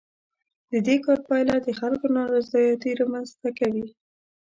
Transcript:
د دې کار پایله د خلکو نارضایتي رامنځ ته کوي.